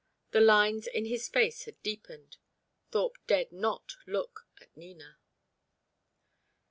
The lines in his face had deepened. Thorpe dared not look at Nina.